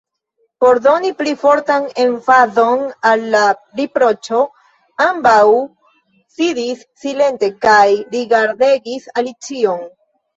Por doni pli fortan emfazon al la riproĉo, ambaŭ sidis silente kaj rigardegis Alicion.